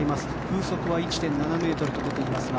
風速は１．７メートルと出ています。